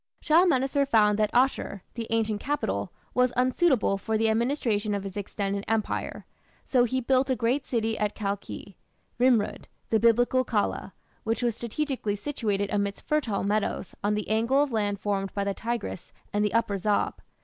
Shalmaneser found that Asshur, the ancient capital, was unsuitable for the administration of his extended empire, so he built a great city at Kalkhi (Nimrud), the Biblical Calah, which was strategically situated amidst fertile meadows on the angle of land formed by the Tigris and the Upper Zab.